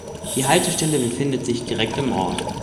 Die Haltestelle befindet sich direkt im Ort.